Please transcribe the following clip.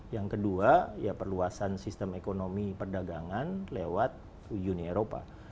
yang kedua ya perluasan sistem ekonomi perdagangan lewat uni eropa